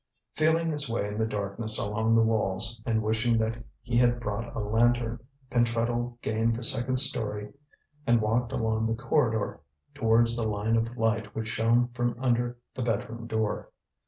Feeling his way in the darkness along the walls, and wishing that he had brought a lantern, Pentreddle gained the second storey and walked along the corridor towards the line of light which shone from under the bedroom door.